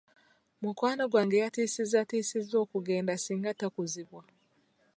Mukwano gwange yatiisizzatiisizza okugenda singa takuzibwa.